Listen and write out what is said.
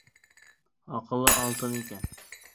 Аҡылы алтын икән.